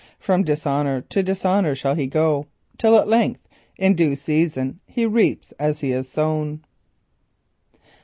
From dishonour to dishonour shall he go till at length, in due season, he reaps as he has sown.